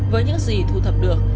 với những gì thu thập được